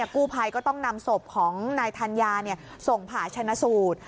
กู้ภัยก็ต้องนำศพของนายธัญญาส่งผ่าชนะสูตร